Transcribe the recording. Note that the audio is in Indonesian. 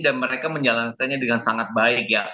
dan mereka menjalankannya dengan sangat baik ya